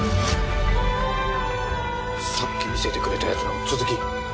さっき見せてくれたやつの続き？